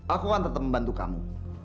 aku akan tetap membantu kamu